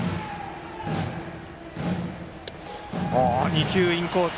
２球、インコース。